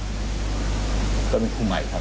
เพื่อนครูพยายามที่จะปลอบใจกันอยู่นะครับ